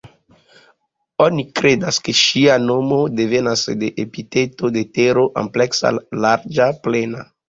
Oni kredas ke ŝia nomo devenas de epiteto de Tero: "ampleksa", "larĝa", "plena".